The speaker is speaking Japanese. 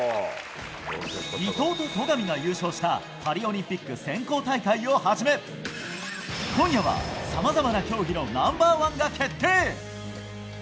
伊藤と戸上が優勝した、パリオリンピック選考大会をはじめ、今夜は、さまざまな競技のナンバーワンが決定。